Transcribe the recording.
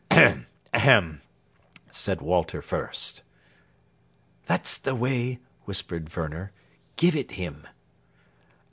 "Er ahem!" said Walter Fürst. "That's the way," whispered Werner; "give it him!"